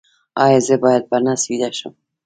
ایا زه باید په نس ویده شم؟